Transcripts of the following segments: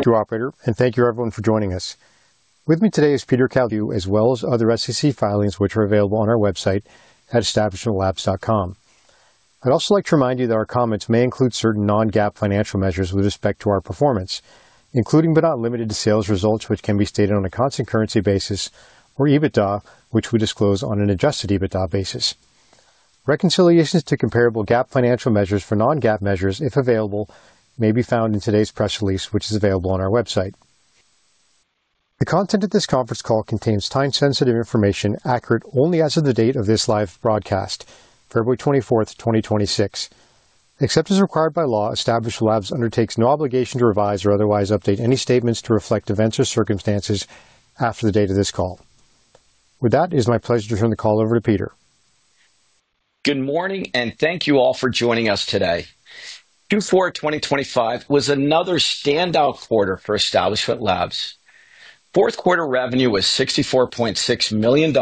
Thank you, operator, and thank you everyone for joining us. With me today is Peter Caldini, as well as other SEC filings, which are available on our website at establishmentlabs.com. I'd also like to remind you that our comments may include certain non-GAAP financial measures with respect to our performance, including but not limited to sales results, which can be stated on a constant currency basis, or EBITDA, which we disclose on an adjusted EBITDA basis. Reconciliations to comparable GAAP financial measures for non-GAAP measures, if available, may be found in today's press release, which is available on our website. The content of this conference call contains time-sensitive information, accurate only as of the date of this live broadcast, February 24th, 2026. Except as required by law, Establishment Labs undertakes no obligation to revise or otherwise update any statements to reflect events or circumstances after the date of this call. With that, it is my pleasure to turn the call over to Peter. Good morning. Thank you all for joining us today. Q4 2025 was another standout quarter for Establishment Labs. Fourth quarter revenue was $64.6 million,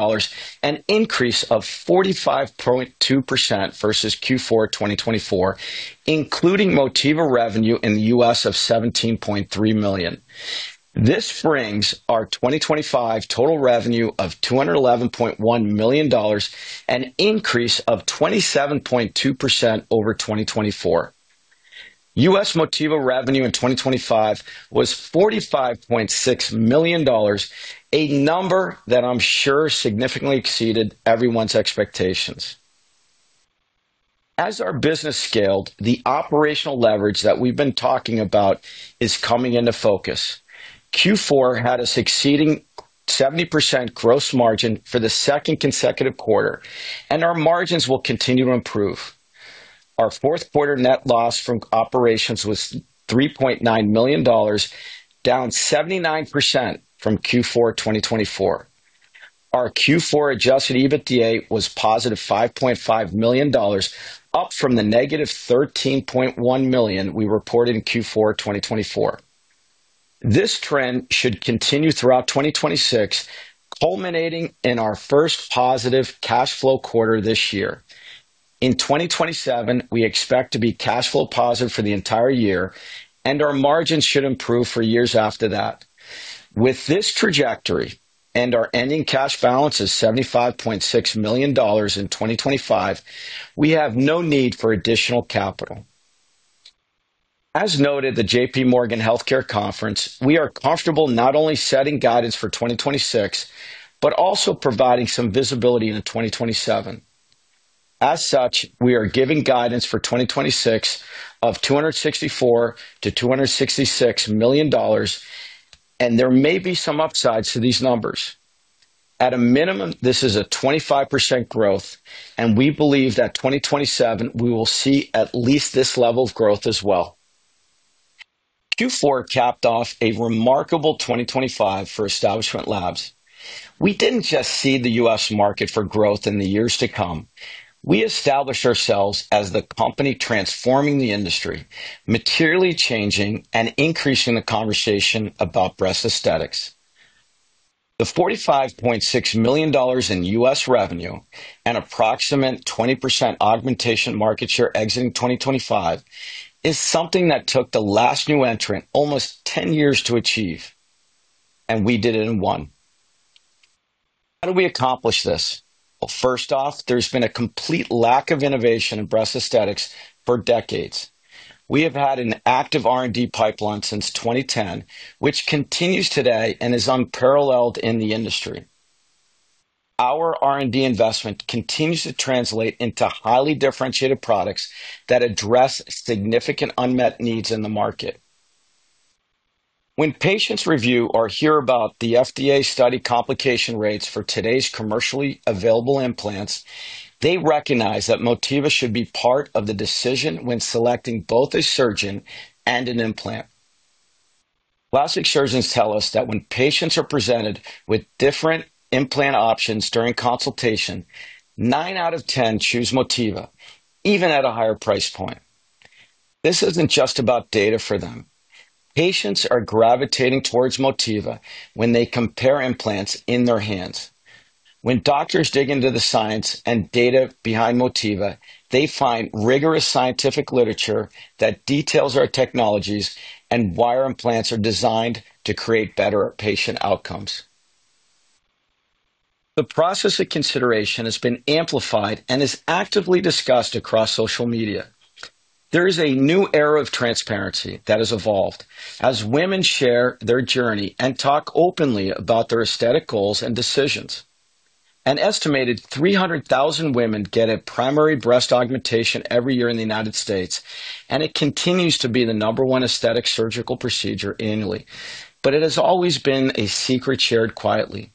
an increase of 45.2% versus Q4 2024, including Motiva revenue in the US of $17.3 million. This brings our 2025 total revenue of $211.1 million, an increase of 27.2% over 2024. US Motiva revenue in 2025 was $45.6 million, a number that I'm sure significantly exceeded everyone's expectations. As our business scaled, the operational leverage that we've been talking about is coming into focus. Q4 had a succeeding 70% gross margin for the second consecutive quarter, and our margins will continue to improve. Our fourth quarter net loss from operations was $3.9 million, down 79% from Q4 2024. Our Q4 adjusted EBITDA was +$5.5 million, up from the -$13.1 million we reported in Q4 2024. This trend should continue throughout 2026, culminating in our first positive cash flow quarter this year. In 2027, we expect to be cash flow positive for the entire year, and our margins should improve for years after that. With this trajectory and our ending cash balance is $75.6 million in 2025, we have no need for additional capital. As noted at the J.P. Morgan Healthcare Conference, we are comfortable not only setting guidance for 2026, but also providing some visibility into 2027. As such, we are giving guidance for 2026 of $264 million-$266 million, and there may be some upsides to these numbers. At a minimum, this is a 25% growth, and we believe that 2027, we will see at least this level of growth as well. Q4 capped off a remarkable 2025 for Establishment Labs. We didn't just see the US market for growth in the years to come. We established ourselves as the company transforming the industry, materially changing and increasing the conversation about breast aesthetics. The $45.6 million in US revenue, an approximate 20% augmentation market share exiting 2025, is something that took the last new entrant almost 10 years to achieve, and we did it in one. How do we accomplish this? First off, there's been a complete lack of innovation in breast aesthetics for decades. We have had an active R&D pipeline since 2010, which continues today and is unparalleled in the industry. Our R&D investment continues to translate into highly differentiated products that address significant unmet needs in the market. When patients review or hear about the FDA study complication rates for today's commercially available implants, they recognize that Motiva should be part of the decision when selecting both a surgeon and an implant. Plastic surgeons tell us that when patients are presented with different implant options during consultation, 9 out of 10 choose Motiva, even at a higher price point. This isn't just about data for them. Patients are gravitating towards Motiva when they compare implants in their hands. When doctors dig into the science and data behind Motiva, they find rigorous scientific literature that details our technologies and why our implants are designed to create better patient outcomes. The process of consideration has been amplified and is actively discussed across social media. There is a new era of transparency that has evolved as women share their journey and talk openly about their aesthetic goals and decisions. An estimated 300,000 women get a primary breast augmentation every year in the United States. It continues to be the number 1 aesthetic surgical procedure annually. It has always been a secret shared quietly.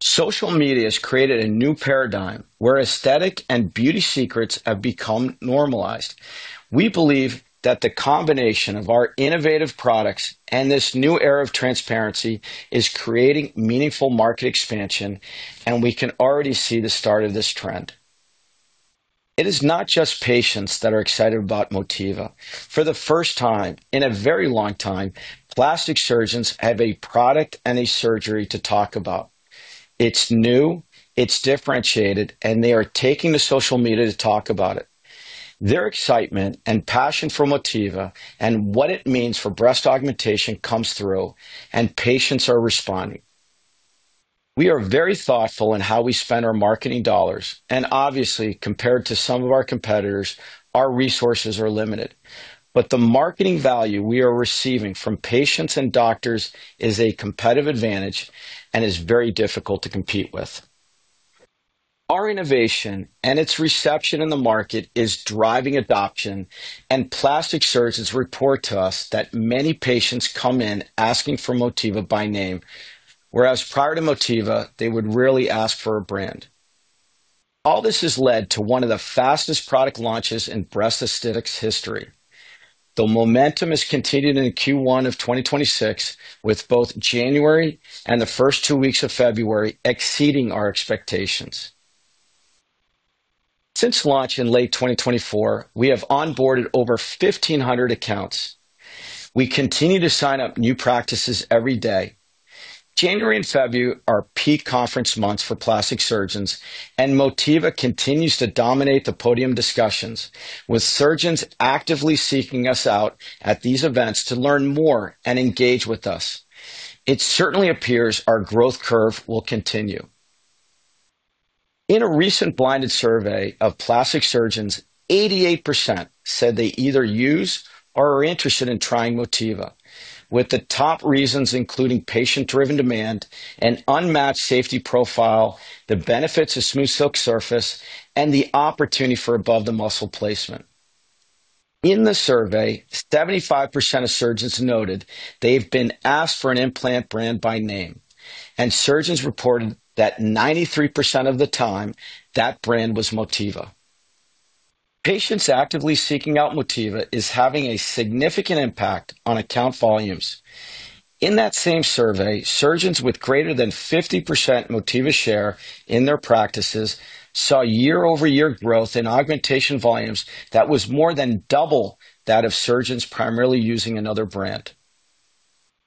Social media has created a new paradigm where aesthetic and beauty secrets have become normalized. We believe that the combination of our innovative products and this new era of transparency is creating meaningful market expansion. We can already see the start of this trend. It is not just patients that are excited about Motiva. For the first time in a very long time, plastic surgeons have a product and a surgery to talk about. It's new, it's differentiated. They are taking to social media to talk about it. Their excitement and passion for Motiva and what it means for breast augmentation comes through. Patients are responding. We are very thoughtful in how we spend our marketing dollars. Obviously, compared to some of our competitors, our resources are limited. The marketing value we are receiving from patients and doctors is a competitive advantage and is very difficult to compete with. Our innovation and its reception in the market is driving adoption, and plastic surgeons report to us that many patients come in asking for Motiva by name, whereas prior to Motiva, they would rarely ask for a brand. All this has led to one of the fastest product launches in breast aesthetics history. The momentum has continued into Q1 of 2026, with both January and the first 2 weeks of February exceeding our expectations. Since launch in late 2024, we have onboarded over 1,500 accounts. We continue to sign up new practices every day. January and February are peak conference months for plastic surgeons, and Motiva continues to dominate the podium discussions, with surgeons actively seeking us out at these events to learn more and engage with us. It certainly appears our growth curve will continue. In a recent blinded survey of plastic surgeons, 88% said they either use or are interested in trying Motiva, with the top reasons including patient-driven demand and unmatched safety profile, the benefits of SmoothSilk surface, and the opportunity for above-the-muscle placement. In the survey, 75% of surgeons noted they've been asked for an implant brand by name, and surgeons reported that 93% of the time, that brand was Motiva. Patients actively seeking out Motiva is having a significant impact on account volumes. In that same survey, surgeons with greater than 50% Motiva share in their practices saw year-over-year growth in augmentation volumes that was more than double that of surgeons primarily using another brand.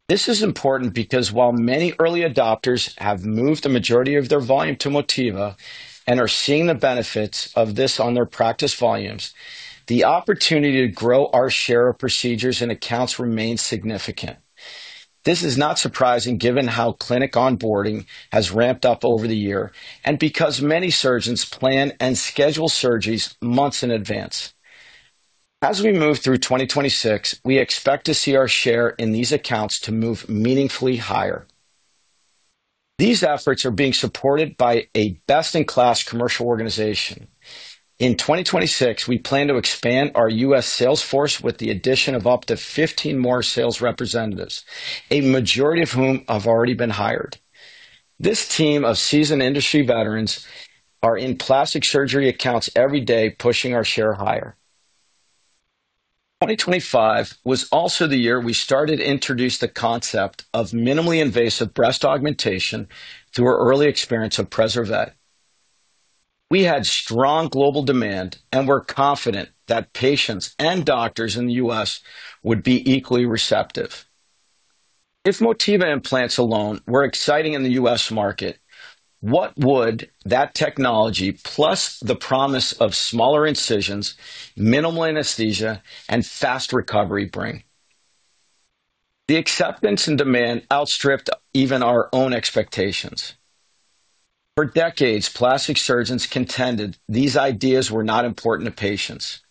This is important because while many early adopters have moved the majority of their volume to Motiva and are seeing the benefits of this on their practice volumes, the opportunity to grow our share of procedures and accounts remains significant. This is not surprising given how clinic onboarding has ramped up over the year and because many surgeons plan and schedule surgeries months in advance. As we move through 2026, we expect to see our share in these accounts to move meaningfully higher. These efforts are being supported by a best-in-class commercial organization. In 2026, we plan to expand our U.S. sales force with the addition of up to 15 more sales representatives, a majority of whom have already been hired. This team of seasoned industry veterans are in plastic surgery accounts every day, pushing our share higher. 2025 was also the year we started to introduce the concept of minimally invasive breast augmentation through our early experience of Preserve. We had strong global demand, and we're confident that patients and doctors in the U.S. would be equally receptive. If Motiva implants alone were exciting in the U.S. market, what would that technology, plus the promise of smaller incisions, minimal anesthesia, and fast recovery, bring? The acceptance and demand outstripped even our own expectations. For decades, plastic surgeons contended these ideas were not important to patients.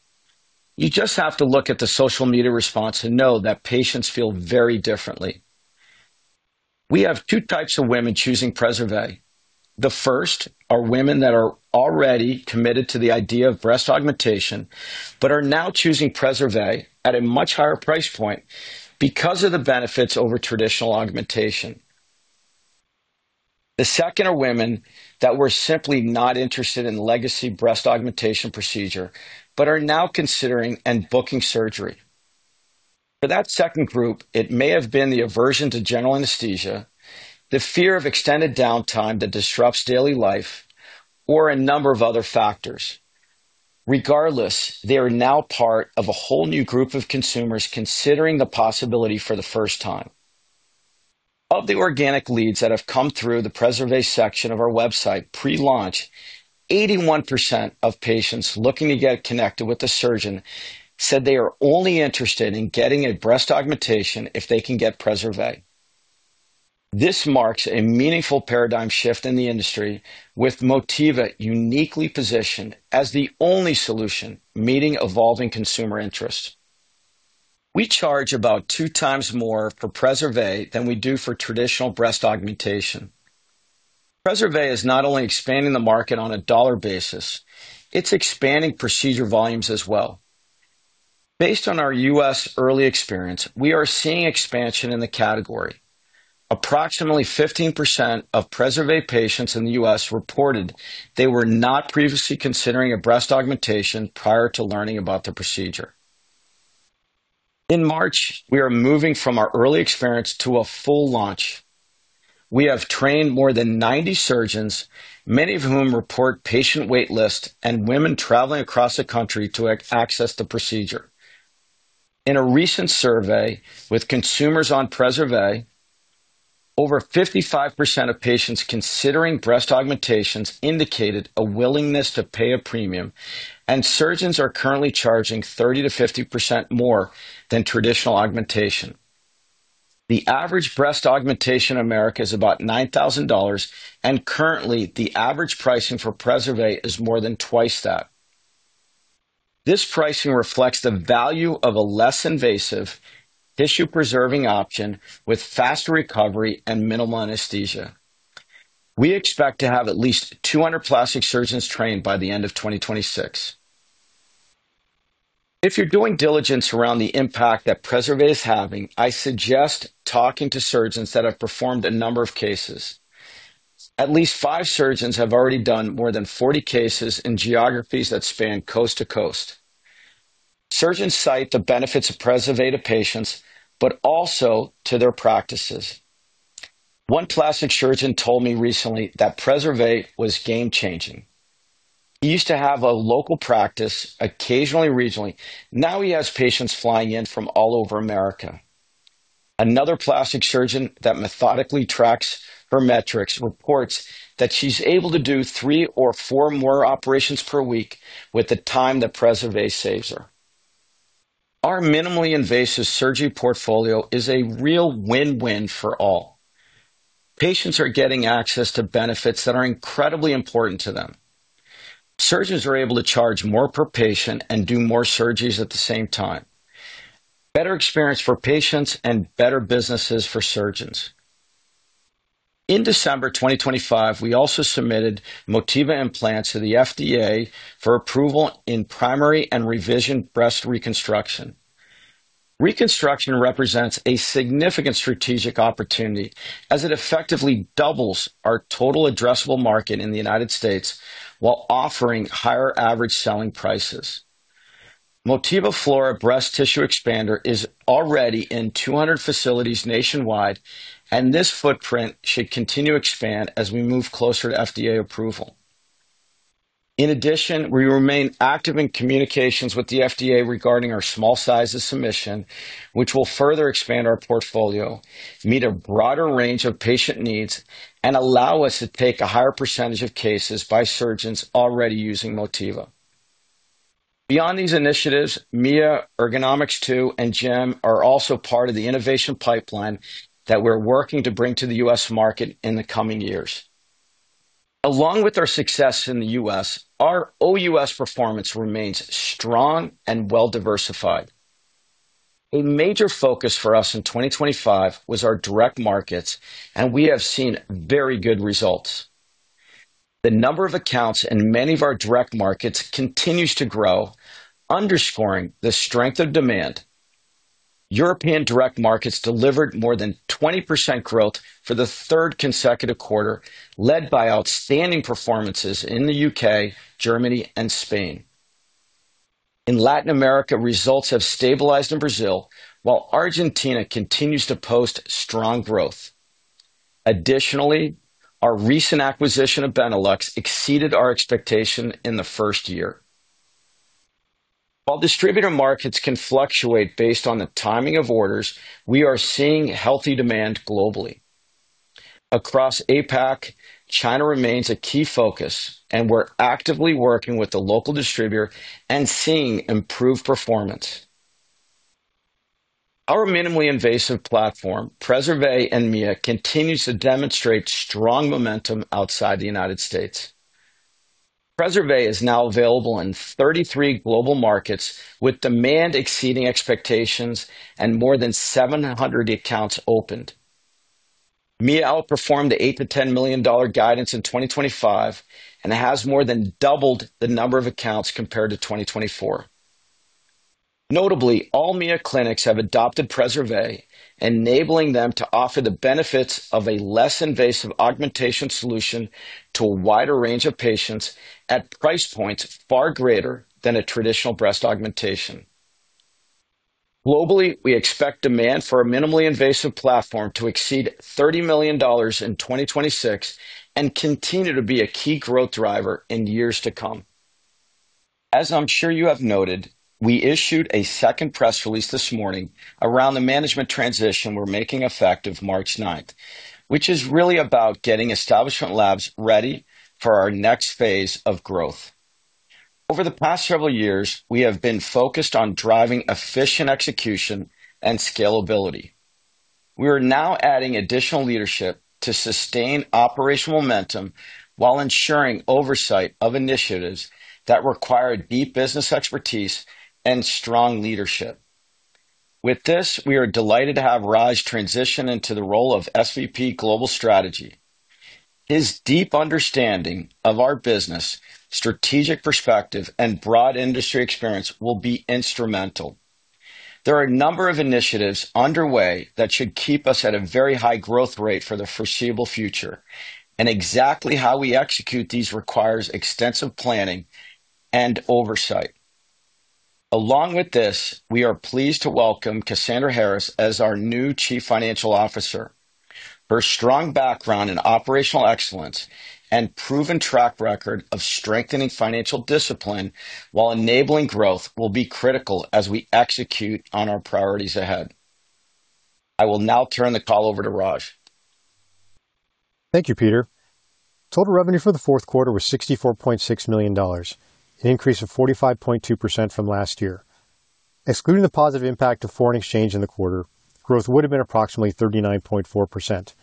You just have to look at the social media response and know that patients feel very differently. We have two types of women choosing Preserve. The first are women that are already committed to the idea of breast augmentation but are now choosing Preserve at a much higher price point because of the benefits over traditional augmentation. The second are women that were simply not interested in legacy breast augmentation procedure, but are now considering and booking surgery. For that second group, it may have been the aversion to general anesthesia, the fear of extended downtime that disrupts daily life, or a number of other factors. Regardless, they are now part of a whole new group of consumers considering the possibility for the first time. Of the organic leads that have come through the Preserve section of our website pre-launch, 81% of patients looking to get connected with the surgeon said they are only interested in getting a breast augmentation if they can get Preserve. This marks a meaningful paradigm shift in the industry, with Motiva uniquely positioned as the only solution meeting evolving consumer interest. We charge about 2 times more for Preserve than we do for traditional breast augmentation. Preserve is not only expanding the market on a dollar basis, it's expanding procedure volumes as well. Based on our U.S. early experience, we are seeing expansion in the category. Approximately 15% of Preserved patients in the US reported they were not previously considering a breast augmentation prior to learning about the procedure. In March, we are moving from our early experience to a full launch. We have trained more than 90 surgeons, many of whom report patient wait lists and women traveling across the country to access the procedure. In a recent survey with consumers on Preserve. Over 55% of patients considering breast augmentations indicated a willingness to pay a premium, and surgeons are currently charging 30%-50% more than traditional augmentation. The average breast augmentation in America is about $9,000, and currently, the average pricing for Preserve is more than twice that. This pricing reflects the value of a less invasive, tissue-preserving option with faster recovery and minimal anesthesia. We expect to have at least 200 plastic surgeons trained by the end of 2026. If you're doing diligence around the impact that Preserve is having, I suggest talking to surgeons that have performed a number of cases. At least 5 surgeons have already done more than 40 cases in geographies that span coast to coast. Surgeons cite the benefits of Preserve to patients, but also to their practices. One plastic surgeon told me recently that Preserve was game-changing. He used to have a local practice occasionally, regionally. Now he has patients flying in from all over America. Another plastic surgeon that methodically tracks her metrics reports that she's able to do 3 or 4 more operations per week with the time that Preserve saves her. Our minimally invasive surgery portfolio is a real win-win for all. Patients are getting access to benefits that are incredibly important to them. Surgeons are able to charge more per patient and do more surgeries at the same time. Better experience for patients and better businesses for surgeons. In December 2025, we also submitted Motiva implants to the FDA for approval in primary and revision breast reconstruction. Reconstruction represents a significant strategic opportunity as it effectively doubles our total addressable market in the United States, while offering higher Average Selling Prices. Motiva Flora breast tissue expander is already in 200 facilities nationwide. This footprint should continue to expand as we move closer to FDA approval. In addition, we remain active in communications with the FDA regarding our small sizes submission, which will further expand our portfolio, meet a broader range of patient needs, and allow us to take a higher percentage of cases by surgeons already using Motiva. Beyond these initiatives, Mia, Ergonomix2, and GEM are also part of the innovation pipeline that we're working to bring to the US market in the coming years. Along with our success in the US, our OUS performance remains strong and well-diversified. A major focus for us in 2025 was our direct markets, and we have seen very good results. The number of accounts in many of our direct markets continues to grow, underscoring the strength of demand. European direct markets delivered more than 20% growth for the third consecutive quarter, led by outstanding performances in the UK, Germany, and Spain. In Latin America, results have stabilized in Brazil, while Argentina continues to post strong growth. Additionally, our recent acquisition of Benelux exceeded our expectation in the first year. While distributor markets can fluctuate based on the timing of orders, we are seeing healthy demand globally. Across APAC, China remains a key focus, and we're actively working with the local distributor and seeing improved performance. Our minimally invasive platform, Preserve and Mia, continues to demonstrate strong momentum outside the United States. Preserve is now available in 33 global markets, with demand exceeding expectations and more than 700 accounts opened. Mia outperformed the $8 million-$10 million guidance in 2025 and has more than doubled the number of accounts compared to 2024. Notably, all Mia clinics have adopted Preserve, enabling them to offer the benefits of a less invasive augmentation solution to a wider range of patients at price points far greater than a traditional breast augmentation. Globally, we expect demand for our minimally invasive platform to exceed $30 million in 2026 and continue to be a key growth driver in years to come. As I'm sure you have noted, we issued a second press release this morning around the management transition we're making effective March ninth, which is really about getting Establishment Labs ready for our next phase of growth. Over the past several years, we have been focused on driving efficient execution and scalability. We are now adding additional leadership to sustain operational momentum while ensuring oversight of initiatives that require deep business expertise and strong leadership. With this, we are delighted to have Raj transition into the role of SVP, Global Strategy. His deep understanding of our business, strategic perspective, and broad industry experience will be instrumental. There are a number of initiatives underway that should keep us at a very high growth rate for the foreseeable future. Exactly how we execute these requires extensive planning and oversight. Along with this, we are pleased to welcome Cassandra Harris as our new Chief Financial Officer. Her strong background in operational excellence and proven track record of strengthening financial discipline while enabling growth, will be critical as we execute on our priorities ahead. I will now turn the call over to Raj. Thank you, Peter. Total revenue for the fourth quarter was $64.6 million, an increase of 45.2% from last year. Excluding the positive impact of foreign exchange in the quarter, growth would have been approximately 39.4%.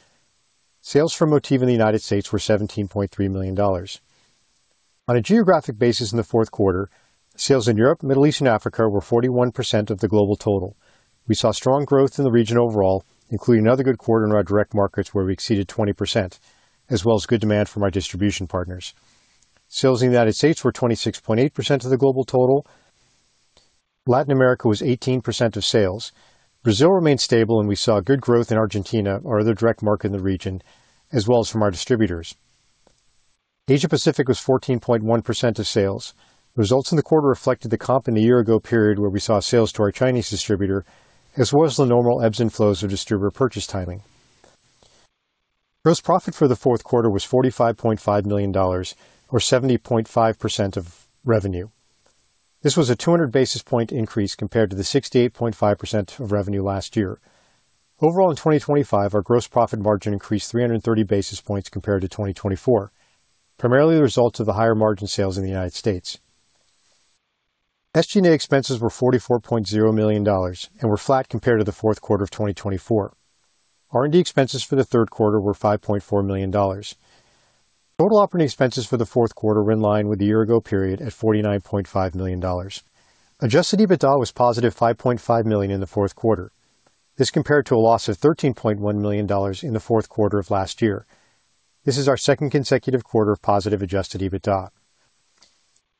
Sales for Motiva in the United States were $17.3 million. On a geographic basis in the fourth quarter, sales in Europe, Middle East, and Africa were 41% of the global total. We saw strong growth in the region overall, including another good quarter in our direct markets, where we exceeded 20%, as well as good demand from our distribution partners. Sales in the United States were 26.8% of the global total. Latin America was 18% of sales. Brazil remained stable, and we saw good growth in Argentina, our other direct market in the region, as well as from our distributors. Asia Pacific was 14.1% of sales. Results in the quarter reflected the comp in the year ago period, where we saw sales to our Chinese distributor, as well as the normal ebbs and flows of distributor purchase timing. Gross profit for the fourth quarter was $45.5 million or 70.5% of revenue. This was a 200 basis point increase compared to the 68.5% of revenue last year. Overall, in 2025, our gross profit margin increased 330 basis points compared to 2024, primarily the result of the higher margin sales in the United States. SG&A expenses were $44.0 million and were flat compared to the fourth quarter of 2024. R&D expenses for the third quarter were $5.4 million. Total operating expenses for the fourth quarter were in line with the year-ago period at $49.5 million. Adjusted EBITDA was positive $5.5 million in the fourth quarter. This compared to a loss of $13.1 million in the fourth quarter of last year. This is our second consecutive quarter of positive adjusted EBITDA.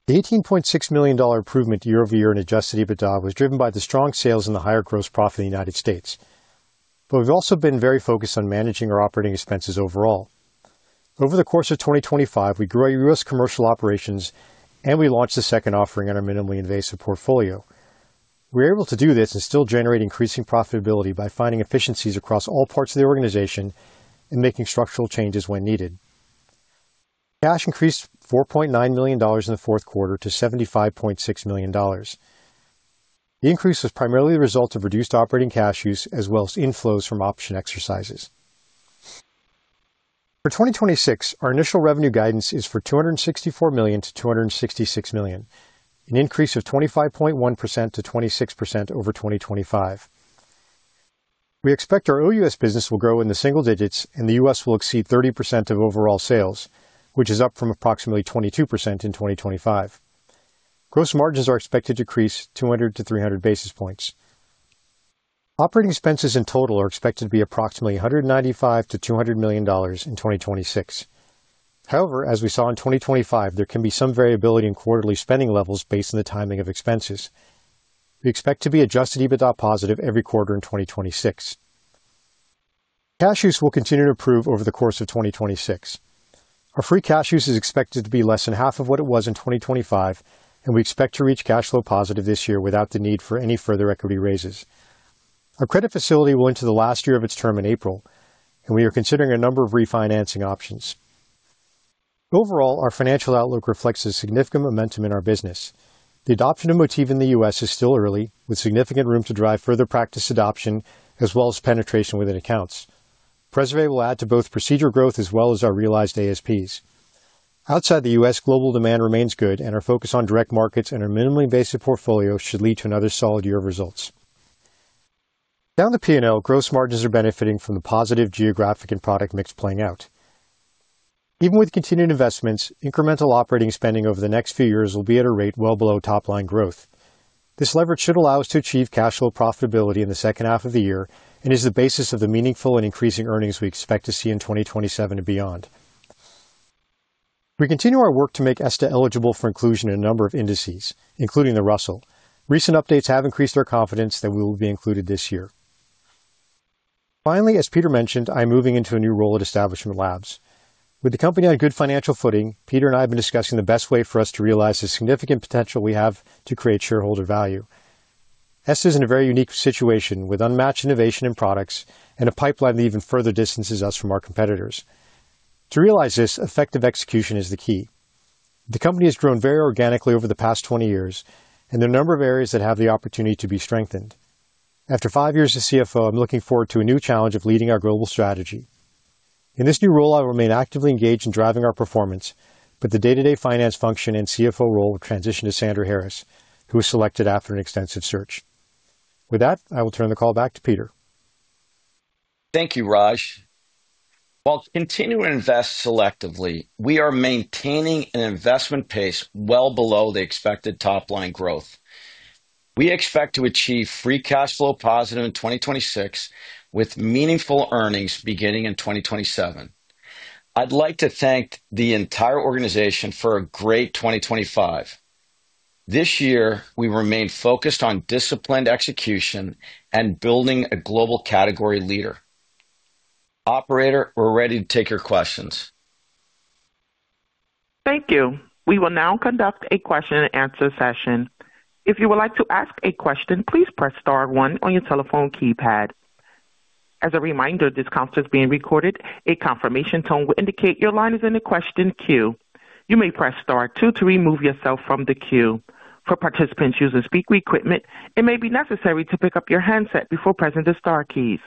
The $18.6 million improvement year-over-year in adjusted EBITDA was driven by the strong sales and the higher gross profit in the US. We've also been very focused on managing our operating expenses overall. Over the course of 2025, we grew our U.S. commercial operations, and we launched the second offering in our minimally invasive portfolio. We were able to do this and still generate increasing profitability by finding efficiencies across all parts of the organization and making structural changes when needed. Cash increased $4.9 million in the fourth quarter to $75.6 million. The increase was primarily the result of reduced operating cash use, as well as inflows from option exercises. For 2026, our initial revenue guidance is for $264 million-$266 million, an increase of 25.1%-26% over 2025. We expect our OUS business will grow in the single digits, and the US will exceed 30% of overall sales, which is up from approximately 22% in 2025. Gross margins are expected to increase 200-300 basis points. Operating expenses in total are expected to be approximately $195 million-$200 million in 2026. As we saw in 2025, there can be some variability in quarterly spending levels based on the timing of expenses. We expect to be adjusted EBITDA positive every quarter in 2026. Cash use will continue to improve over the course of 2026. Our free cash use is expected to be less than half of what it was in 2025. We expect to reach cash flow positive this year without the need for any further equity raises. Our credit facility will enter the last year of its term in April. We are considering a number of refinancing options. Overall, our financial outlook reflects a significant momentum in our business. The adoption of Motiva in the U.S. is still early, with significant room to drive further practice adoption as well as penetration within accounts. Preserve will add to both procedure growth as well as our realized ASPs. Outside the US, global demand remains good, and our focus on direct markets and our minimally invasive portfolio should lead to another solid year of results. Down the P&L, gross margins are benefiting from the positive geographic and product mix playing out. Even with continued investments, incremental operating spending over the next few years will be at a rate well below top-line growth. This leverage should allow us to achieve cash flow profitability in the second half of the year and is the basis of the meaningful and increasing earnings we expect to see in 2027 and beyond. We continue our work to make ESTA eligible for inclusion in a number of indices, including the Russell. Recent updates have increased our confidence that we will be included this year. Finally, as Peter mentioned, I'm moving into a new role at Establishment Labs. With the company on a good financial footing, Peter and I have been discussing the best way for us to realize the significant potential we have to create shareholder value. ESTA is in a very unique situation, with unmatched innovation and products and a pipeline that even further distances us from our competitors. To realize this, effective execution is the key. The company has grown very organically over the past 20 years, and there are a number of areas that have the opportunity to be strengthened. After 5 years as CFO, I'm looking forward to a new challenge of leading our global strategy. In this new role, I will remain actively engaged in driving our performance, but the day-to-day finance function and CFO role will transition to Cassandra Harris, who was selected after an extensive search. With that, I will turn the call back to Peter. Thank you, Raj. While continuing to invest selectively, we are maintaining an investment pace well below the expected top-line growth. We expect to achieve free cash flow positive in 2026, with meaningful earnings beginning in 2027. I'd like to thank the entire organization for a great 2025. This year, we remained focused on disciplined execution and building a global category leader. Operator, we're ready to take your questions. Thank you. We will now conduct a question and answer session. If you would like to ask a question, please press star one on your telephone keypad. As a reminder, this conference is being recorded. A confirmation tone will indicate your line is in the question queue. You may press star two to remove yourself from the queue. For participants using speaker equipment, it may be necessary to pick up your handset before pressing the star keys.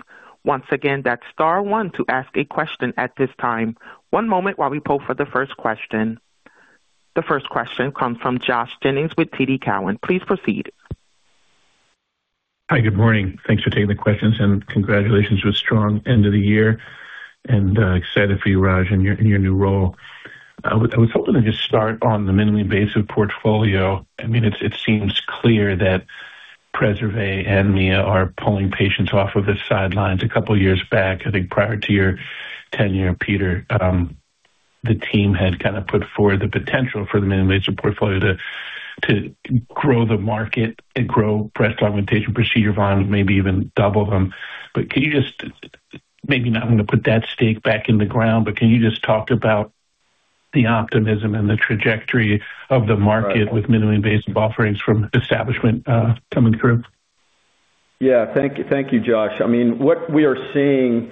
Once again, that's star one to ask a question at this time. One moment while we poll for the first question. The first question comes from Joshua Jennings with TD Cowen. Please proceed. Hi, good morning. Thanks for taking the questions. Congratulations with strong end of the year and excited for you, Raj, in your new role. I was hoping to just start on the minimally invasive portfolio. I mean, it seems clear that Preserve and Mia are pulling patients off of the sidelines. A couple of years back, I think prior to your tenure, Peter, the team had kind of put forward the potential for the minimally invasive portfolio to grow the market and grow breast augmentation procedure volumes, maybe even double them. Can you just, maybe not going to put that stake back in the ground, but can you just talk about the optimism and the trajectory of the market with minimally invasive offerings from Establishment coming through? Yeah, thank you. Thank you, Josh. I mean, what we are seeing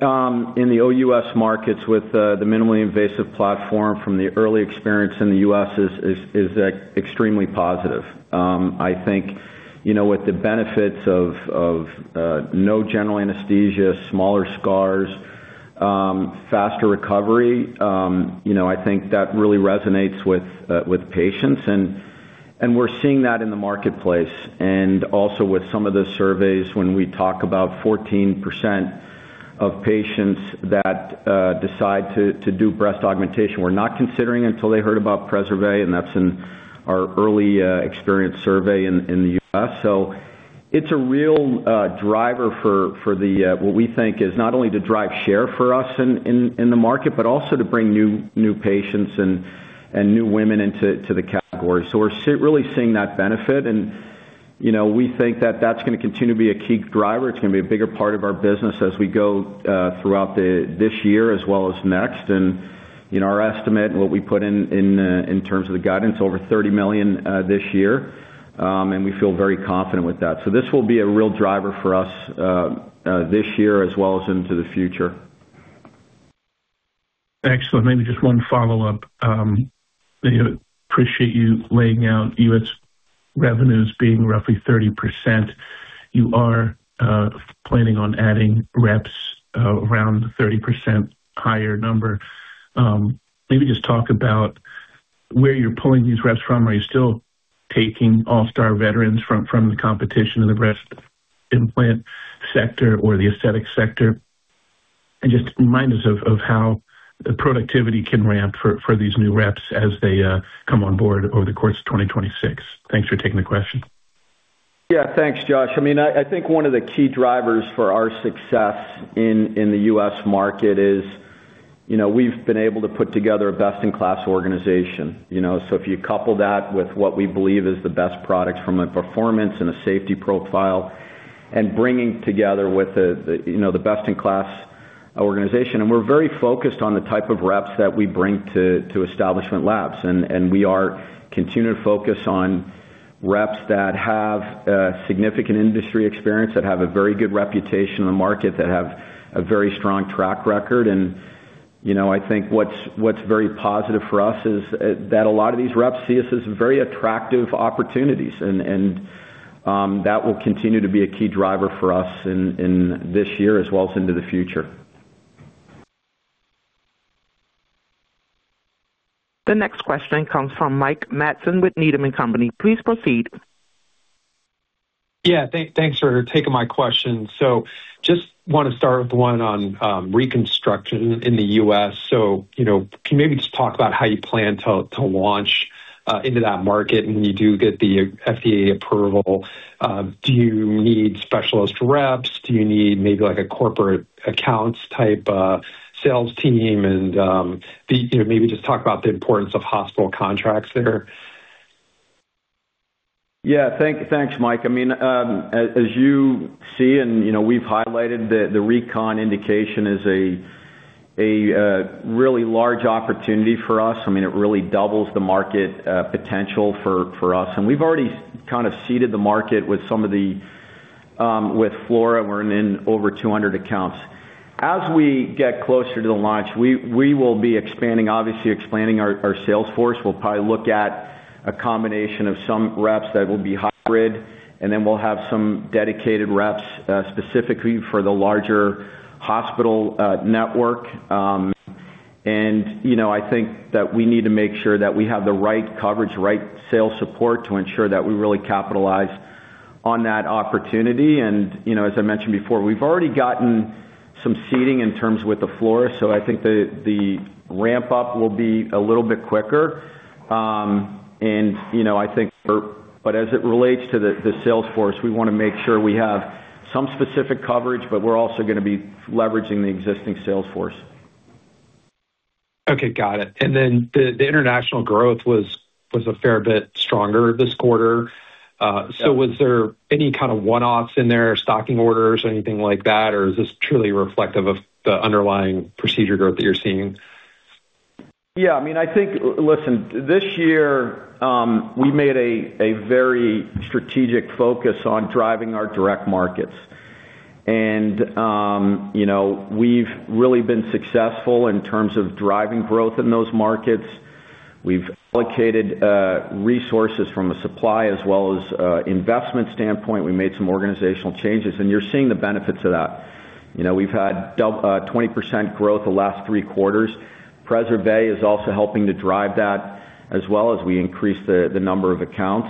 in the OUS markets with the minimally invasive platform from the early experience in the US is extremely positive. I think, you know, with the benefits of no general anesthesia, smaller scars, faster recovery, you know, I think that really resonates with patients, and we're seeing that in the marketplace. Also with some of the surveys, when we talk about 14% of patients that decide to do breast augmentation, were not considering until they heard about Preserve, and that's in our early experience survey in the US. It's a real driver for what we think is not only to drive share for us in the market, but also to bring new patients and new women to the category. We're really seeing that benefit. You know, we think that that's going to continue to be a key driver. It's going to be a bigger part of our business as we go throughout this year as well as next. In our estimate, what we put in terms of the guidance, over $30 million this year, and we feel very confident with that. This will be a real driver for us this year as well as into the future. Excellent. Maybe just one follow-up. Appreciate you laying out U.S. revenues being roughly 30%. You are planning on adding reps around 30% higher number. Maybe just talk about where you're pulling these reps from. Are you still taking all-star veterans from the competition in the breast implant sector or the aesthetic sector? Just remind us of how the productivity can ramp for these new reps as they come on board over the course of 2026. Thanks for taking the question. Yeah, thanks, Josh. I mean, I think one of the key drivers for our success in the U.S. market is, you know, we've been able to put together a best-in-class organization, you know. If you couple that with what we believe is the best products from a performance and a safety profile, and bringing together with the, you know, the best-in-class organization. We're very focused on the type of reps that we bring to Establishment Labs, and we are continuing to focus on reps that have significant industry experience, that have a very good reputation in the market, that have a very strong track record. You know, I think what's very positive for us is that a lot of these reps see us as very attractive opportunities, and that will continue to be a key driver for us in this year as well as into the future. The next question comes from Mike Matson with Needham & Company. Please proceed. Yeah, thanks for taking my question. just want to start with one on reconstruction in the U.S. you know, can you maybe just talk about how you plan to launch into that market, and when you do get the FDA approval, do you need specialist reps? Do you need maybe, like, a corporate accounts type of sales team? you know, maybe just talk about the importance of hospital contracts there. Yeah. Thank you. Thanks, Mike. I mean, as you see, you know, we've highlighted the recon indication is a really large opportunity for us. I mean, it really doubles the market potential for us. We've already kind of seeded the market with some of the with Flora, we're in over 200 accounts. As we get closer to the launch, we will be obviously expanding our sales force. We'll probably look at a combination of some reps that will be hybrid, we'll have some dedicated reps specifically for the larger hospital network. You know, I think that we need to make sure that we have the right coverage, right sales support to ensure that we really capitalize on that opportunity. You know, as I mentioned before, we've already gotten some seeding in terms with the Flora, so I think the ramp up will be a little bit quicker. You know, I think, but as it relates to the sales force, we want to make sure we have some specific coverage, but we're also going to be leveraging the existing sales force. Okay, got it. Then the international growth was a fair bit stronger this quarter. Was there any kind of one-offs in there, stocking orders or anything like that? Is this truly reflective of the underlying procedure growth that you're seeing? Yeah, I mean, I think. Listen, this year, we made a very strategic focus on driving our direct markets. You know, we've really been successful in terms of driving growth in those markets. We've allocated resources from a supply as well as investment standpoint. We made some organizational changes, and you're seeing the benefits of that. You know, we've had 20% growth the last 3 quarters. Preserve is also helping to drive that as well as we increase the number of accounts.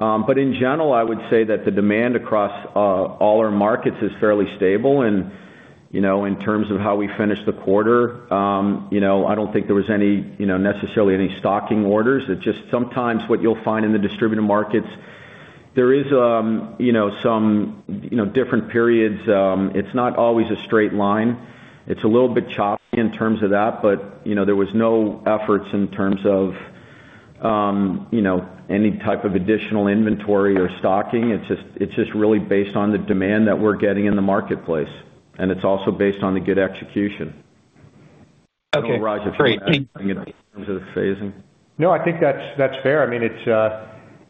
In general, I would say that the demand across all our markets is fairly stable and, you know, in terms of how we finish the quarter, you know, I don't think there was any, you know, necessarily any stocking orders. It's just sometimes what you'll find in the distributor markets, there is, you know, some, you know, different periods. It's not always a straight line. It's a little bit choppy in terms of that. You know, there was no efforts in terms of, you know, any type of additional inventory or stocking. It's just really based on the demand that we're getting in the marketplace. It's also based on the good execution. Okay, great. I don't know, Raj, if you want to add anything in terms of the phasing. No, I think that's fair. I mean, it's,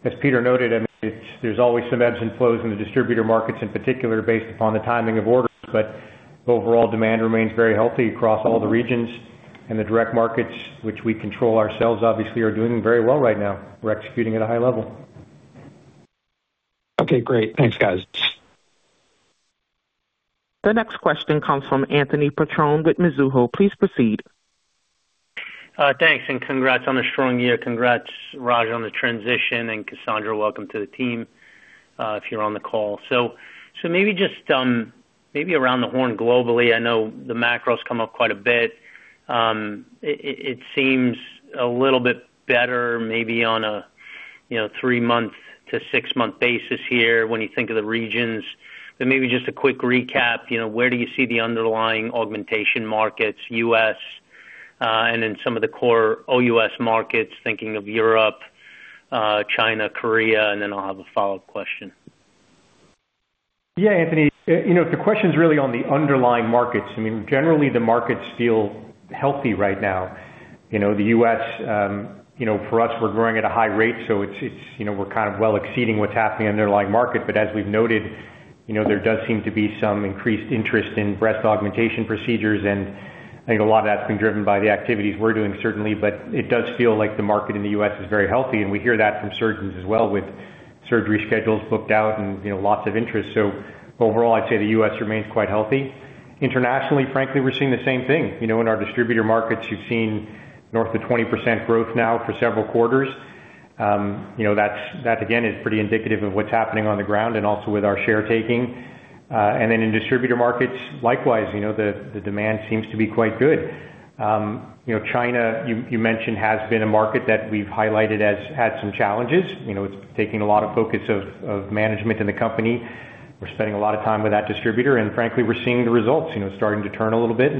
as Peter noted, I mean, there's always some ebbs and flows in the distributor markets, in particular, based upon the timing of orders, but overall demand remains very healthy across all the regions. The direct markets, which we control ourselves, obviously, are doing very well right now. We're executing at a high level. Okay, great. Thanks, guys. The next question comes from Anthony Petrone with Mizuho. Please proceed. Thanks, and congrats on a strong year. Congrats, Raj, on the transition, Cassandra, welcome to the team, if you're on the call. Maybe just, maybe around the horn globally, I know the macro's come up quite a bit. It seems a little bit better, maybe on a, you know, 3-month to 6-month basis here when you think of the regions. Maybe just a quick recap, you know, where do you see the underlying augmentation markets, US, in some of the core OUS markets, thinking of Europe, China, Korea, I'll have a follow-up question. Yeah, Anthony, you know, the question's really on the underlying markets. I mean, generally, the markets feel healthy right now. You know, the US, you know, for us, we're growing at a high rate, so it's, you know, we're kind of well exceeding what's happening in the underlying market. As we've noted, you know, there does seem to be some increased interest in breast augmentation procedures, and I think a lot of that's been driven by the activities we're doing, certainly. It does feel like the market in the US is very healthy, and we hear that from surgeons as well, with surgery schedules booked out and, you know, lots of interest. Overall, I'd say the US remains quite healthy. Internationally, frankly, we're seeing the same thing. You know, in our distributor markets, you've seen north of 20% growth now for several quarters. You know, that's, that, again, is pretty indicative of what's happening on the ground and also with our share taking. Then in distributor markets, likewise, you know, the demand seems to be quite good. You know, China, you mentioned, has been a market that we've highlighted as had some challenges. You know, it's taking a lot of focus of management in the company. We're spending a lot of time with that distributor, and frankly, we're seeing the results, you know, starting to turn a little bit.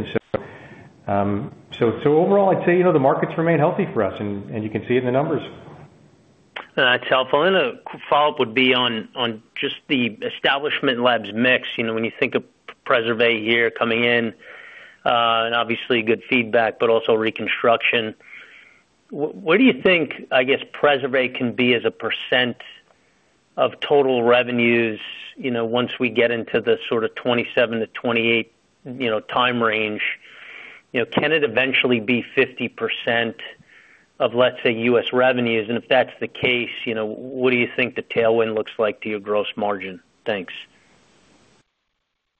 So overall, I'd say, you know, the markets remain healthy for us, and you can see it in the numbers. That's helpful. A follow-up would be on just the Establishment Labs mix. You know, when you think of Preserve year coming in, and obviously good feedback, but also reconstruction. What do you think, I guess, Preserve can be as a % of total revenues, you know, once we get into the sort of 2027-2028, you know, time range? You know, can it eventually be 50% of, let's say, US revenues? If that's the case, you know, what do you think the tailwind looks like to your gross margin? Thanks.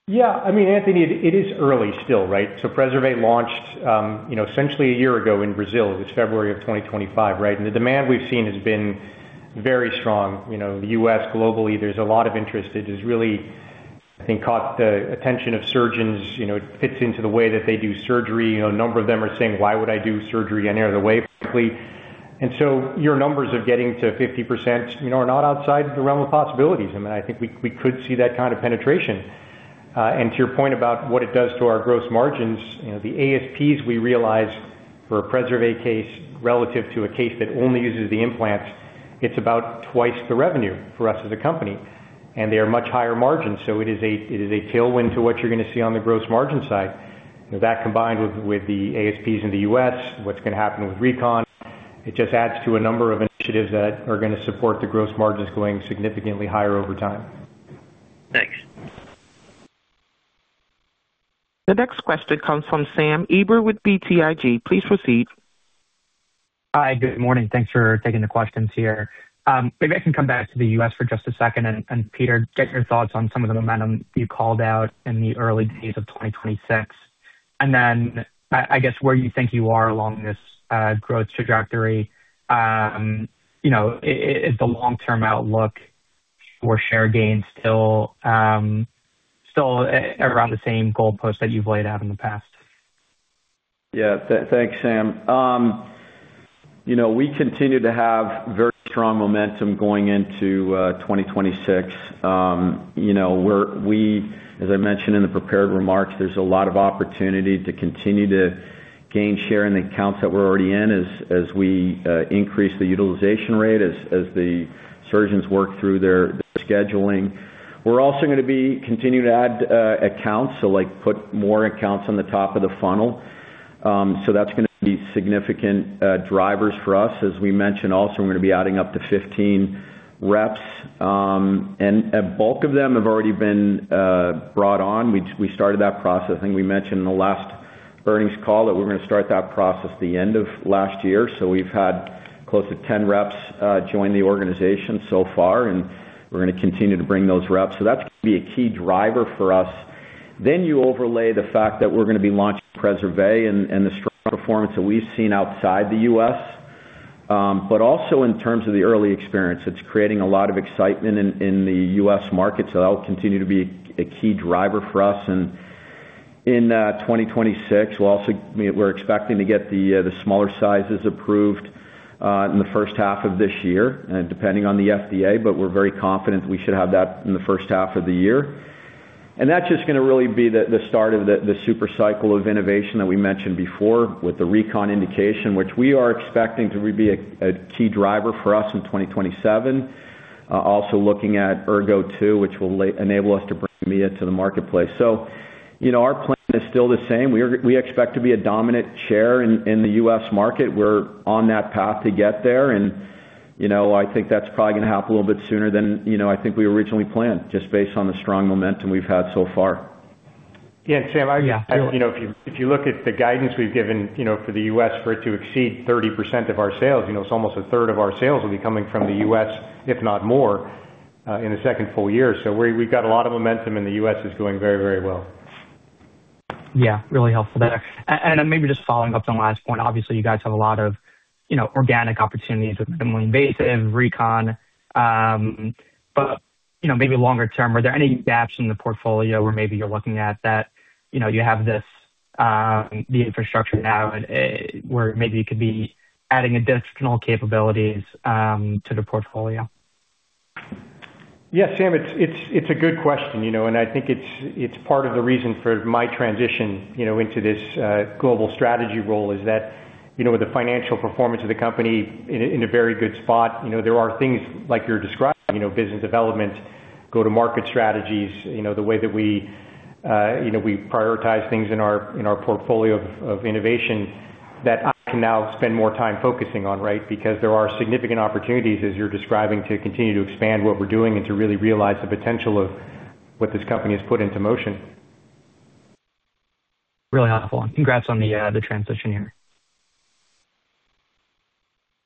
Yeah. I mean, Anthony, it is early still, right? Preserve launched, you know, essentially a year ago in Brazil. It was February of 2025, right? The demand we've seen has been very strong. You know, the U.S., globally, there's a lot of interest. It has really, I think, caught the attention of surgeons. You know, it fits into the way that they do surgery. You know, a number of them are saying, "Why would I do surgery any other way, frankly?" Your numbers are getting to 50%, you know, are not outside the realm of possibilities. I mean, I think we could see that kind of penetration. To your point about what it does to our gross margins, you know, the ASPs we realize for a Preserve case, relative to a case that only uses the implant, it's about 2x the revenue for us as a company, and they are much higher margins, so it is a tailwind to what you're going to see on the gross margin side. That, combined with the ASPs in the U.S., what's going to happen with recon, it just adds to a number of initiatives that are going to support the gross margins going significantly higher over time. Thanks. The next question comes from Sam Eiber with BTIG. Please proceed. Hi, good morning. Thanks for taking the questions here. Maybe I can come back to the U.S. for just a second, and Peter, get your thoughts on some of the momentum you called out in the early days of 2026. Then, I guess, where you think you are along this growth trajectory, you know, is the long-term outlook for share gain still around the same goalpost that you've laid out in the past? Thanks, Sam. You know, we continue to have very strong momentum going into 2026. You know, we, as I mentioned in the prepared remarks, there's a lot of opportunity to continue to gain share in the accounts that we're already in as we increase the utilization rate, as the surgeons work through their scheduling. We're also going to be continuing to add accounts, so, like, put more accounts on the top of the funnel. That's going to be significant drivers for us. As we mentioned, also, we're going to be adding up to 15 reps, and a bulk of them have already been brought on. We started that process. I think we mentioned in the last earnings call that we were going to start that process the end of last year. We've had close to 10 reps join the organization so far, and we're going to continue to bring those reps. That's going to be a key driver for us. You overlay the fact that we're going to be launching Preservé, and the strong performance that we've seen outside the U.S. Also in terms of the early experience, it's creating a lot of excitement in the U.S. market, so that will continue to be a key driver for us. In 2026, we're expecting to get the smaller sizes approved in the first half of this year, depending on the FDA, but we're very confident we should have that in the first half of the year. That's just going to really be the start of the super cycle of innovation that we mentioned before with the recon indication, which we are expecting to be a key driver for us in 2027. Also looking at Ergonomix2, which will enable us to bring Mia to the marketplace. You know, our plan is still the same. We expect to be a dominant share in the U.S. market. We're on that path to get there, and, you know, I think that's probably going to happen a little bit sooner than, you know, I think I originally planned, just based on the strong momentum we've had so far. Yeah, Sam, I, you know, if you, if you look at the guidance we've given, you know, for the U.S. for it to exceed 30% of our sales, you know, it's almost a third of our sales will be coming from the US, if not more, in the second full year. We've got a lot of momentum, and the U.S. is doing very well. Yeah, really helpful there. Then maybe just following up on the last point, obviously, you guys have a lot of, you know, organic opportunities with minimally invasive recon, but, you know, maybe longer term, are there any gaps in the portfolio where maybe you're looking at that, you know, you have this, the infrastructure now, where maybe you could be adding additional capabilities, to the portfolio? Sam, it's a good question, you know, and I think it's part of the reason for my transition, you know, into this global strategy role, is that, you know, with the financial performance of the company in a very good spot, you know, there are things like you're describing, you know, business development, go-to-market strategies, you know, the way that we, you know, we prioritize things in our portfolio of innovation that I can now spend more time focusing on, right? There are significant opportunities, as you're describing, to continue to expand what we're doing and to really realize the potential of what this company has put into motion. Really helpful, and congrats on the transition here.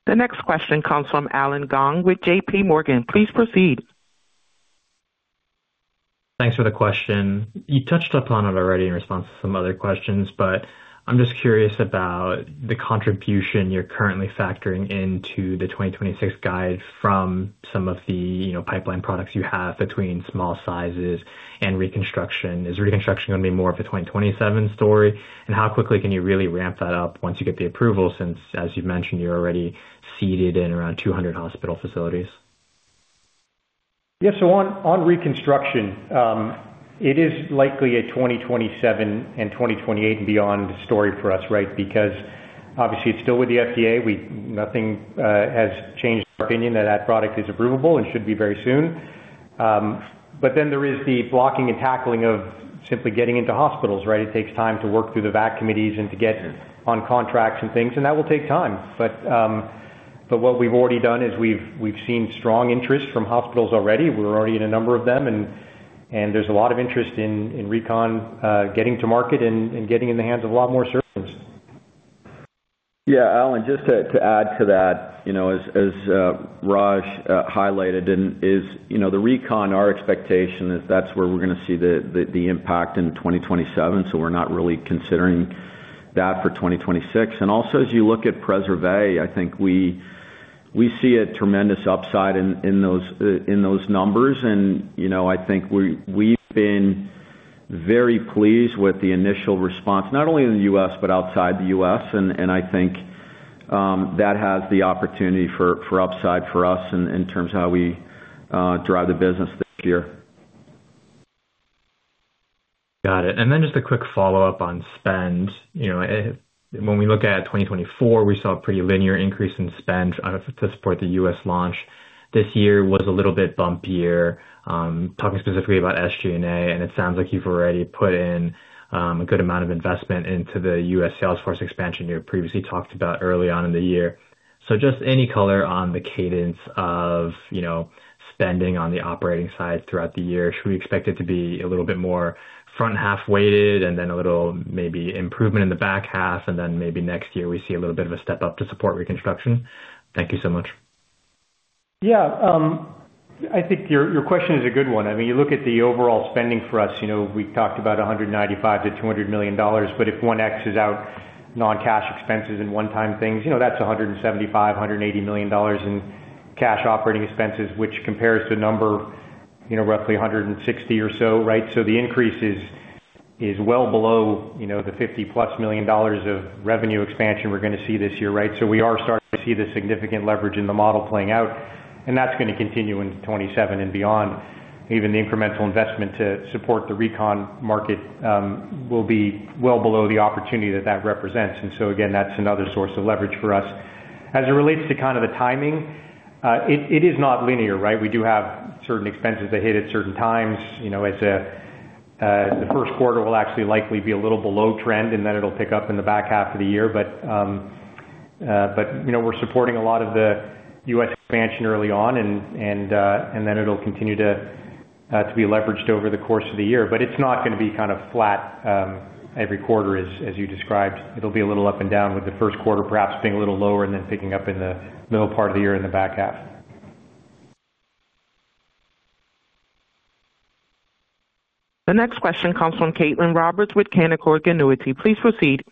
The next question comes from Allen Gong with J.P. Morgan. Please proceed. Thanks for the question. You touched upon it already in response to some other questions, but I'm just curious about the contribution you're currently factoring into the 2026 guide from some of the, you know, pipeline products you have between small sizes and reconstruction. Is reconstruction going to be more of a 2027 story? How quickly can you really ramp that up once you get the approval, since, as you've mentioned, you're already seated in around 200 hospital facilities? Yeah, on reconstruction, it is likely a 2027 and 2028 and beyond story for us, right? Obviously, it's still with the FDA. Nothing has changed our opinion that product is approvable and should be very soon. There is the blocking and tackling of simply getting into hospitals, right? It takes time to work through the VAC committees and to get on contracts and things, and that will take time. What we've already done is we've seen strong interest from hospitals already. We're already in a number of them, and there's a lot of interest in recon getting to market and getting in the hands of a lot more surgeons. Yeah, Allen, just to add to that, you know, as Raj highlighted, and is, you know, the recon, our expectation is that's where we're going to see the impact in 2027, so we're not really considering that for 2026. Also, as you look at Preserve, I think we see a tremendous upside in those numbers. You know, I think we've been very pleased with the initial response, not only in the US, but outside the US, and I think that has the opportunity for upside for us in terms of how we drive the business this year. Got it. Just a quick follow-up on spend. You know, when we look at 2024, we saw a pretty linear increase in spend to support the U.S. launch. This year was a little bit bumpier, talking specifically about SG&A, and it sounds like you've already put in a good amount of investment into the U.S. salesforce expansion you previously talked about early on in the year. Just any color on the cadence of, you know, spending on the operating side throughout the year. Should we expect it to be a little bit more front half weighted, and then a little maybe improvement in the back half, and then maybe next year, we see a little bit of a step up to support reconstruction? Thank you so much. Yeah, I think your question is a good one. I mean, you look at the overall spending for us, you know, we've talked about $195 million-$200 million, but if one X is out, non-cash expenses and one-time things, you know, that's $175 million-$180 million in cash operating expenses, which compares to a number, you know, roughly $160 or so, right? The increase is well below, you know, the $50+ million of revenue expansion we're going to see this year. We are starting to see the significant leverage in the model playing out, and that's going to continue in 2027 and beyond. Even the incremental investment to support the recon market will be well below the opportunity that that represents. Again, that's another source of leverage for us. As it relates to kind of the timing, it is not linear, right. We do have certain expenses that hit at certain times, you know, as the first quarter will actually likely be a little below trend, and then it'll pick up in the back half of the year. You know, we're supporting a lot of the U.S. expansion early on, and then it'll continue to be leveraged over the course of the year. It's not gonna be kind of flat every quarter, as you described. It'll be a little up and down, with the first quarter perhaps being a little lower and then picking up in the middle part of the year in the back half. The next question comes from Caitlin Roberts with Canaccord Genuity. Please proceed.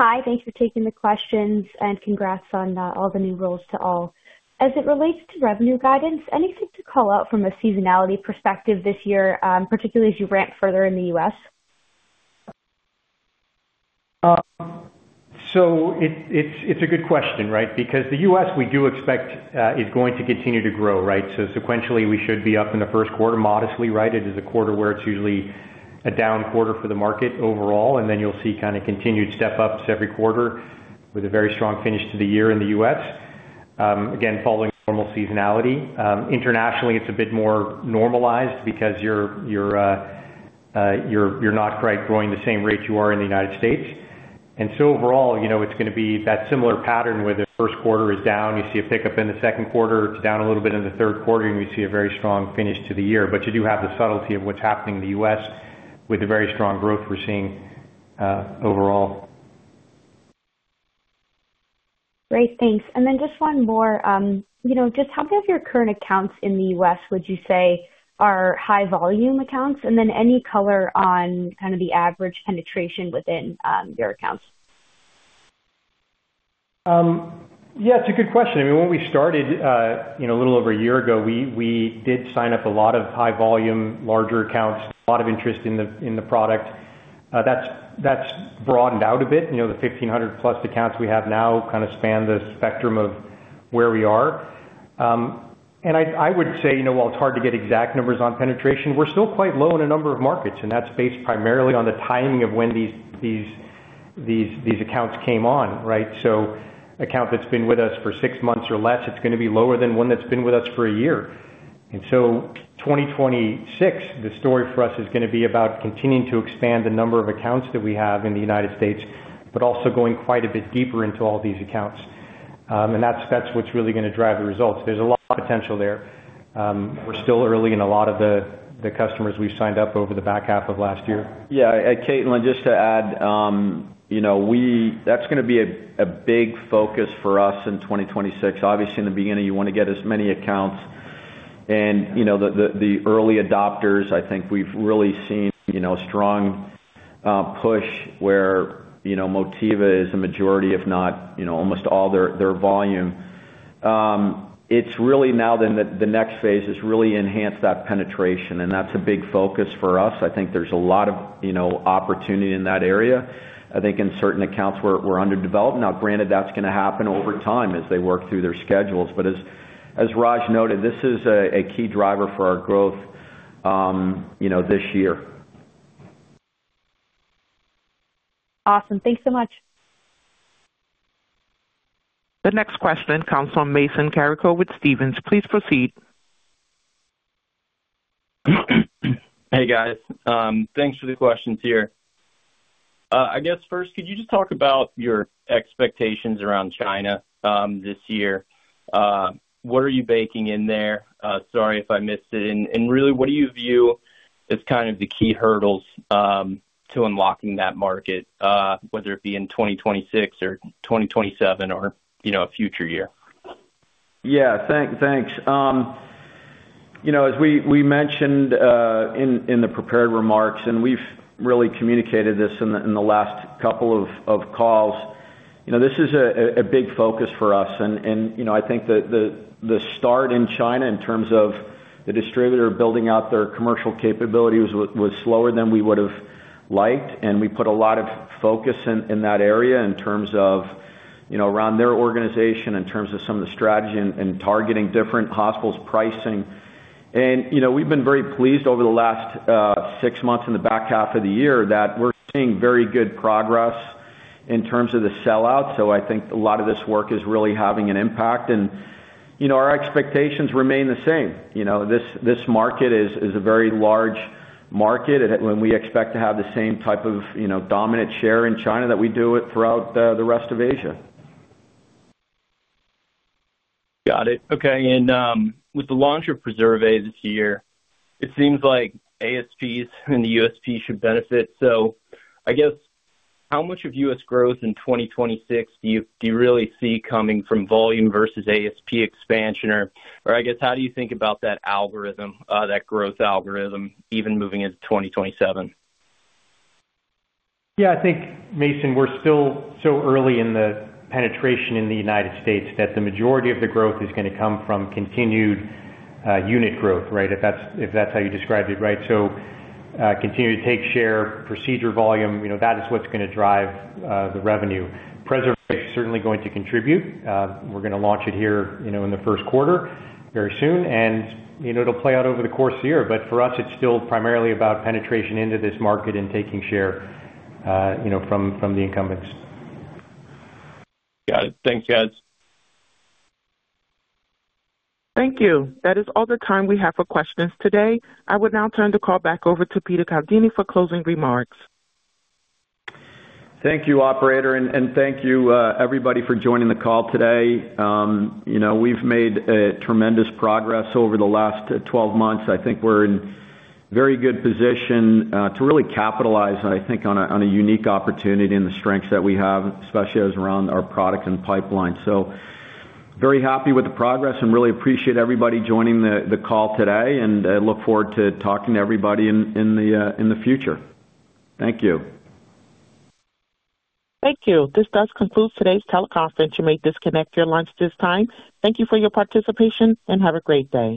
Hi, thanks for taking the questions, and congrats on all the new roles to all. As it relates to revenue guidance, anything to call out from a seasonality perspective this year, particularly as you ramp further in the U.S.? It's a good question, right? Because the US, we do expect, is going to continue to grow, right? Sequentially, we should be up in the first quarter, modestly, right? It is a quarter where it's usually a down quarter for the market overall, and then you'll see kinda continued step-ups every quarter with a very strong finish to the year in the US, again, following normal seasonality. Internationally, it's a bit more normalized because you're not quite growing the same rate you are in the United States. Overall, you know, it's gonna be that similar pattern where the first quarter is down, you see a pickup in the second quarter, it's down a little bit in the third quarter, and you see a very strong finish to the year. You do have the subtlety of what's happening in the U.S. with the very strong growth we're seeing, overall. Great, thanks. Just one more. You know, just how many of your current accounts in the US would you say are high volume accounts? Any color on kind of the average penetration within, your accounts? Yeah, it's a good question. I mean, when we started, you know, a little over 1 year ago, we did sign up a lot of high volume, larger accounts, a lot of interest in the product. That's broadened out a bit. You know, the 1,500 plus accounts we have now kind of span the spectrum of where we are. I would say, you know, while it's hard to get exact numbers on penetration, we're still quite low in a number of markets, and that's based primarily on the timing of when these accounts came on, right? Account that's been with us for 6 months or less, it's gonna be lower than one that's been with us for a year. 2026, the story for us is gonna be about continuing to expand the number of accounts that we have in the United States, but also going quite a bit deeper into all these accounts. That's what's really gonna drive the results. There's a lot of potential there. We're still early in a lot of the customers we've signed up over the back half of last year. Yeah, Caitlin, just to add, you know, that's gonna be a big focus for us in 2026. Obviously, in the beginning, you wanna get as many accounts, and, you know, the, the early adopters, I think we've really seen, you know, strong push where, you know, Motiva is a majority, if not, you know, almost all their volume. It's really now then, the next phase is really enhance that penetration, and that's a big focus for us. I think there's a lot of, you know, opportunity in that area. I think in certain accounts, we're underdeveloped. Now, granted, that's gonna happen over time as they work through their schedules. As, as Raj noted, this is a key driver for our growth, you know, this year. Awesome. Thanks so much. The next question comes from Mason Carrico with Stephens. Please proceed. Hey, guys. Thanks for the questions here. I guess first, could you just talk about your expectations around China this year? What are you baking in there? Sorry if I missed it. Really, what do you view as kind of the key hurdles to unlocking that market, whether it be in 2026 or 2027 or, you know, a future year? Yeah, thanks. You know, as we mentioned, in the prepared remarks, we've really communicated this in the last couple of calls, you know, this is a big focus for us. You know, I think the start in China in terms of the distributor building out their commercial capability was slower than we would have liked, and we put a lot of focus in that area in terms of, you know, around their organization, in terms of some of the strategy and targeting different hospitals' pricing. You know, we've been very pleased over the last 6 months in the back half of the year that we're seeing very good progress in terms of the sell-out. I think a lot of this work is really having an impact, and, you know, our expectations remain the same. You know, this market is a very large market, and when we expect to have the same type of, you know, dominant share in China that we do it throughout the rest of Asia. Got it. Okay, with the launch of Preserve this year, it seems like ASPs in the U.S. should benefit. I guess, how much of US growth in 2026 do you really see coming from volume versus ASP expansion? I guess, how do you think about that algorithm, that growth algorithm, even moving into 2026? Yeah, I think, Mason, we're still so early in the penetration in the United States that the majority of the growth is gonna come from continued unit growth, right? If that's how you described it, right? Continue to take share, procedure volume, you know, that is what's gonna drive the revenue. Preserve is certainly going to contribute. We're gonna launch it here, you know, in the first quarter, very soon, and, you know, it'll play out over the course of the year. For us, it's still primarily about penetration into this market and taking share, you know, from the incumbents. Got it. Thanks, guys. Thank you. That is all the time we have for questions today. I would now turn the call back over to Peter Caldini for closing remarks. Thank you, operator, and thank you, everybody for joining the call today. You know, we've made a tremendous progress over the last 12 months. I think we're in very good position to really capitalize, I think, on a unique opportunity and the strengths that we have, especially as around our product and pipeline. Very happy with the progress and really appreciate everybody joining the call today, and I look forward to talking to everybody in the future. Thank you. Thank you. This does conclude today's teleconference. You may disconnect your lines at this time. Thank you for your participation, and have a great day.